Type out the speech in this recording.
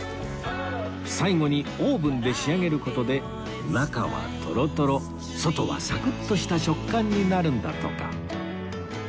最後にオーブンで仕上げる事で中はトロトロ外はサクッとした食感になるんだとか